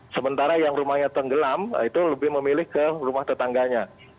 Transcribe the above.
sementara yang rumahnya tenggelam itu lebih memilih ke rumah tetangganya